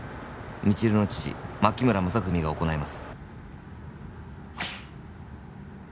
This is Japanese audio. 「未知留の父・牧村正文が行います」